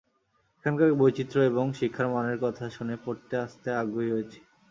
এখানকার বৈচিত্র্য এবং শিক্ষার মানের কথা শুনে পড়তে আসতে আগ্রহী হয়েছি।